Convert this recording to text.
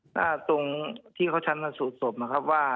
หน้าตรงที่เขาชั้นกันสู่ศพนะครับว่า